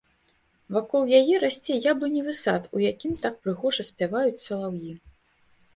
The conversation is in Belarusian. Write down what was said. Вакол яе расце яблыневы сад, у якім так прыгожа спяваюць салаўі.